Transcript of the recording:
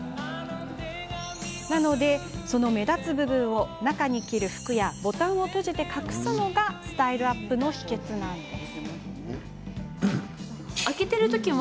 なので、その目立つ部分を中に着る服やボタンを閉じて隠すのがスタイルアップの秘けつなんです。